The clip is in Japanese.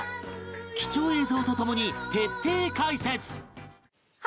貴重映像と共に徹底解説！